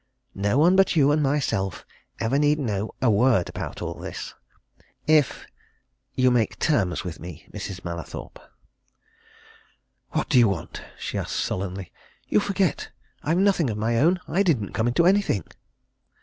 No one but you and myself ever need know a word about all this. If you make terms with me, Mrs. Mallathorpe." "What do you want?" she asked sullenly. "You forget I've nothing of my own. I didn't come into anything."